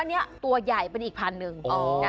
แต่ว่าตัวใหญ่เป็นอีกพันธุ์หนึ่ง